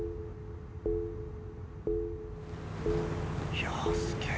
いやすげぇ。